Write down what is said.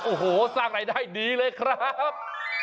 โอ้โหสร้างรายได้ดีเลยครับ